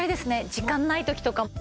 時間ない時とか。